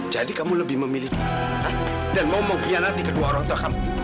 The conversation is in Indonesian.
jadi kamu lebih memilih dia dan mau mengkhianati kedua orang tua kamu